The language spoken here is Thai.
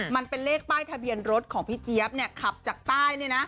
มันเป็นเลขป้ายทะเบียนรถของพี่เจี๊ยบขับจากใต้